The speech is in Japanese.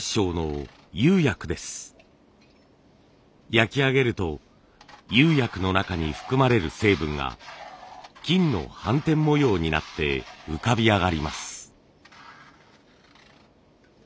焼き上げると釉薬の中に含まれる成分が金の斑点模様になって浮かび上がります。